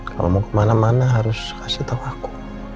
kamu kemana mana harus kasih tau aku